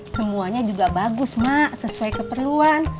semuanya juga bagus mak sesuai keperluan